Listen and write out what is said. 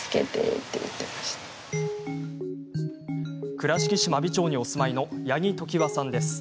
倉敷市真備町にお住まいの八木常和さんです。